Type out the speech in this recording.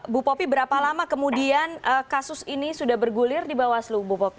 bu popi berapa lama kemudian kasus ini sudah bergulir di bawaslu bu popi